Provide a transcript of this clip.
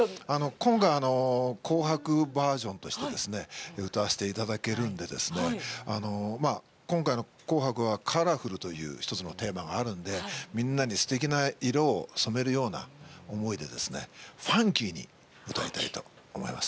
今回は「紅白」バージョンとして歌わせていただけるんですが今回の「紅白」は「ＣＯＬＯＲＦＵＬ」という１つのテーマがあるのでみんなに、すてきな色を染めるような思いでファンキーに歌いたいと思います。